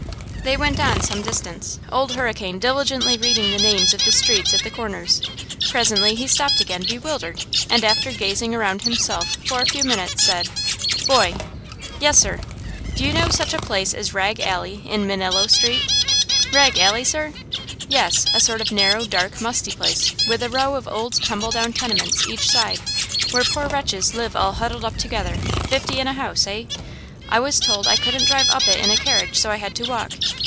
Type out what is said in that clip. They went on some distance, Old Hurricane diligently reading the names of the streets at the corners. Presently he stopped again, bewildered, and after gazing around himself for a few minutes, said: "Boy!" "Yes, sir!" "Do you know such a place as Rag Alley in Manillo Street?" "Rag Alley, sir?" "Yes; a sort of narrow, dark, musty place, with a row of old, tumble down tenements each side, where poor wretches live all huddled up together, fifty in a house, eh? I was told I couldn't drive up it in a carriage, so I had to walk.